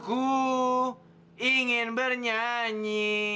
aku ingin bernyanyi